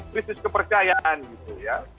krisis kepercayaan gitu ya